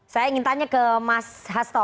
saya ingin tanya ke mas hasto